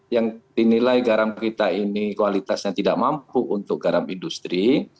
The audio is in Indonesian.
yang dinilai garam kita ini kualitasnya tidak mampu untuk garam industri